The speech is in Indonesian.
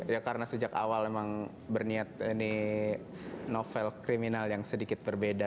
ya karena sejak awal memang berniat ini novel kriminal yang sedikit berbeda